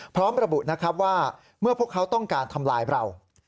พร้อมระบุนะครับว่าเมื่อพวกเขาต้องการทำลายเรา